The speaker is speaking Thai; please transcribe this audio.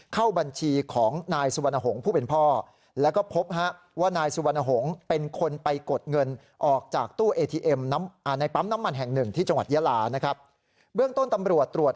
เข้าบัญชีของนายสุวรรณหงษ์